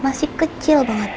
masih kecil banget